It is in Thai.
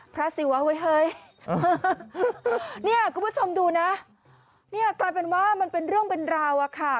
ศิวะเว้ยเฮ้ยเนี่ยคุณผู้ชมดูนะเนี่ยกลายเป็นว่ามันเป็นเรื่องเป็นราวอะค่ะ